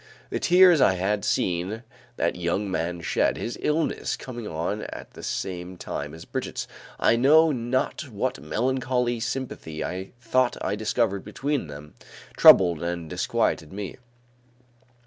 The tears I had seen that young man shed, his illness coming on at the same time as Brigitte's, I know not what melancholy sympathy I thought I discovered between them, troubled and disquieted me.